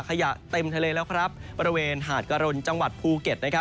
ขยะเต็มทะเลแล้วครับบริเวณหาดกะรนจังหวัดภูเก็ตนะครับ